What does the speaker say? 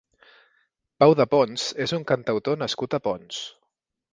Pau de ponts és un cantautor nascut a Ponts.